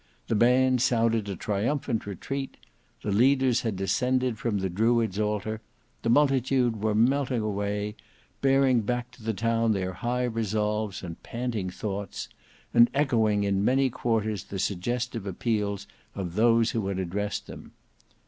The band sounded a triumphant retreat; the leaders had descended from the Druid's Altar; the multitude were melting away, bearing back to the town their high resolves and panting thoughts, and echoing in many quarters the suggestive appeals of those who had addressed them.